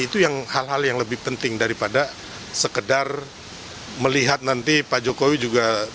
itu hal hal yang lebih penting daripada sekedar melihat nanti pak jokowi juga